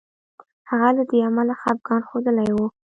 هغه له دې امله خپګان ښودلی وو.